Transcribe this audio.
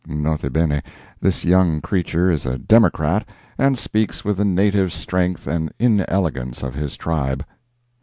(N. B. This young creature is a Democrat, and speaks with the native strength and inelegance of his tribe.)